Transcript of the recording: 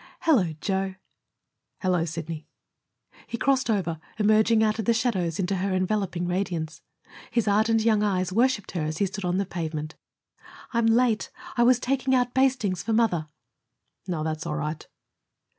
"Hello, Joe." "Hello, Sidney." He crossed over, emerging out of the shadows into her enveloping radiance. His ardent young eyes worshiped her as he stood on the pavement. "I'm late. I was taking out bastings for mother." "Oh, that's all right."